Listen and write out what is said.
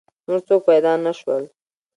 نور څوک پیدا نه شول.